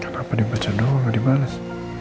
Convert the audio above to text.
kenapa dibaca doang nggak dibales